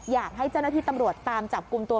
อยากให้เจ้าหน้าที่ตำรวจตามจับกลุ่มตัว